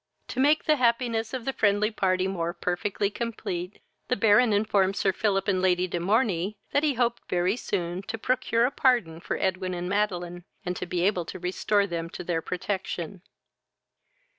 To make the happiness of the friendly party more perfectly complete, the Baron informed Sir Philip and Lady de Morney that he hoped very soon to procure a pardon for Edwin and Madeline, and to be able to restore them to their protection.